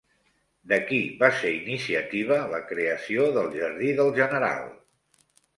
De qui va ser iniciativa la creació del Jardí del General?